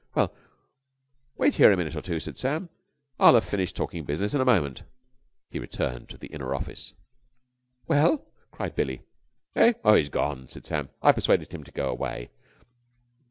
"Well, wait here a minute or two," said Sam, "I'll have finished talking business in a moment." He returned to the inner office. "Well?" cried Billie. "Eh? Oh, he's gone," said Sam. "I persuaded him to go away.